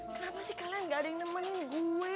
kenapa sih kalian gak ada yang nemenin gue